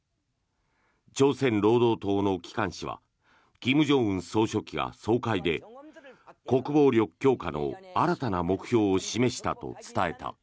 朝鮮労働党の機関紙は金正恩総書記が総会で国防力強化の新たな目標を示したと伝えた。